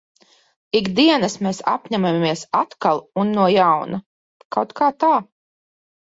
Ik dienas mēs apņemamies atkal un no jauna. Kaut kā tā.